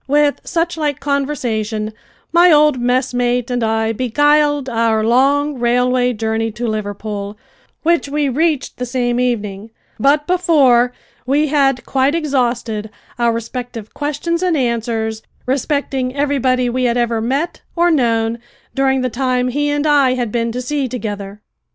With suchlike conversation my old mess mate and I beguiled our long railway journey to Liverpool, which we reached the same evening, but before we had quite exhausted our respective questions and answers respecting everybody we had ever met or known during the time he and I had been to sea together.